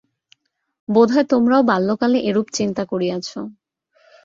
বোধ হয় তোমরাও বাল্যকালে এরূপ চিন্তা করিয়াছ।